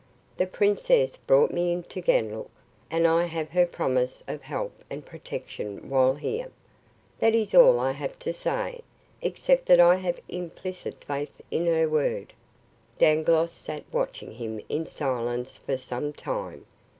The princess brought me into Ganlook, and I have her promise of help and protection while here. That is all I have to say, except that I have implicit faith in her word." Dangloss sat watching him in silence for some time.